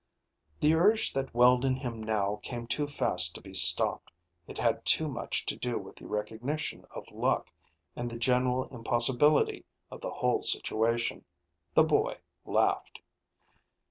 The urge that welled in him now came too fast to be stopped. It had too much to do with the recognition of luck, and the general impossibility of the whole situation. The boy laughed.